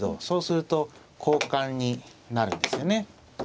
そうすると交換になるんですよね。